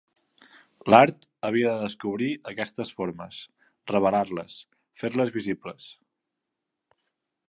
L'art havia de descobrir aquestes formes, revelar-les, fer-les visibles.